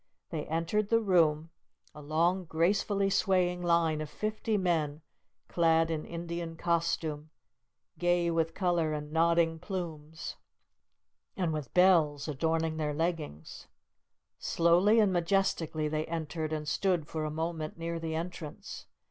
They entered the room, a long, gracefully swaying line of fifty men, clad in Indian costume, gay with colour and nodding plumes, and with bells adorning their leggings. Slowly and majestically they entered, and stood for a moment near the entrance.